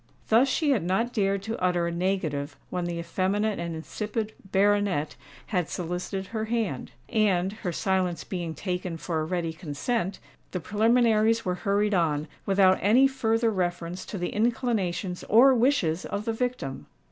Thus she had not dared to utter a negative when the effeminate and insipid baronet had solicited her hand; and, her silence being taken for a ready consent, the preliminaries were hurried on, without any further reference to the inclinations or wishes of the victim!